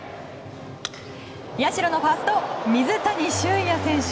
社のファースト水谷俊哉選手